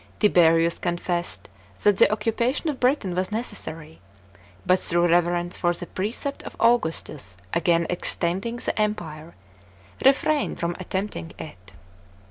Tiberius confessed that the occupation of Biitain was necessary, but, through reverence for the precept of Augustus against extending the Empire, retrained from attempting it.